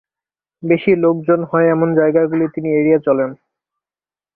বেশি লোকজন হয় এমন জায়গাগুলি তিনি এড়িয়ে চলেন।